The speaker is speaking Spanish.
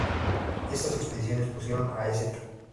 Estas expediciones pusieron a St.